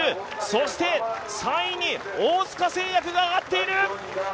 そして、３位に大塚製薬が上がっている。